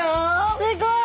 すっごい。